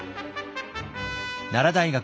奈良大学